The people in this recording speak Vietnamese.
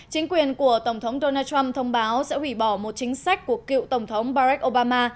chính quyền của tổng thống donald trump thông báo sẽ hủy bỏ một chính sách của cựu tổng thống bares obama